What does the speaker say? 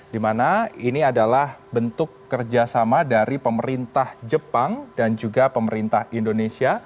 di mana ini adalah bentuk kerjasama dari pemerintah jepang dan juga pemerintah indonesia